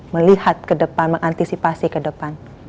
melihat ke depan mengantisipasi ke depan